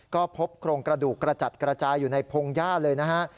ก็พบโครงกระดูกกระจัดกระจายอยู่ในพงหญ้าเลยนะฮะ